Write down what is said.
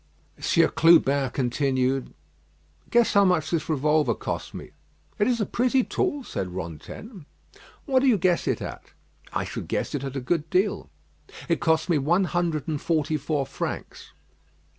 Sieur Clubin continued: "Guess how much this revolver cost me?" "It is a pretty tool," said Rantaine. "What do you guess it at?" "I should guess it at a good deal." "It cost me one hundred and forty four francs."